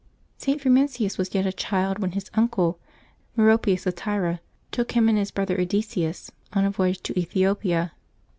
[T. Frumentius was yet a child when his uncle, Mero pius of Tyre, took him and his brother Edesius on a voyage to Ethiopia.